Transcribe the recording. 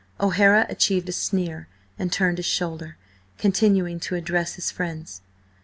O'Hara achieved a sneer and turned his shoulder, continuing to address his friends.